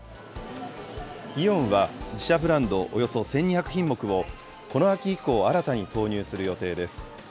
イオンは、自社ブランドおよそ１２００品目を、この秋以降、新たに投入する予定です。